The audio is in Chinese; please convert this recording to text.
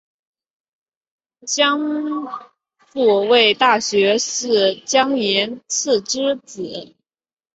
蒋溥为大学士蒋廷锡之子。